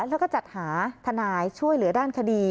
แล้วก็จัดหาทนายช่วยเหลือด้านคดี